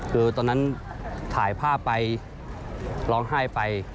คือตอนนั้นถ่ายภาพไปร้องไห้ไป